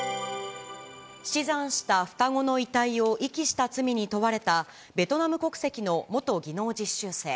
死産した双子の遺体を遺棄した罪に問われた、ベトナム国籍の元技能実習生。